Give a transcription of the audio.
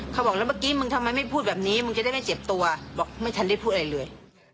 เค้าบอกนะที่กี้มึงทำไมไม่พูดแบบนี้มึงจะได้ไม่เจ็บตัวบอกพูดเดีรี่ยว